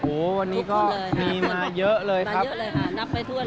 โอ้วันนี้ก็มีมาเยอะเลยครับ